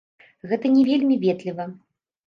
Гэта не вельмі ветліва.